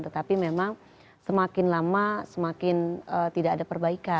tetapi memang semakin lama semakin tidak ada perbaikan